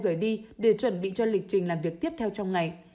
rời đi để chuẩn bị cho lịch trình làm việc tiếp theo trong ngày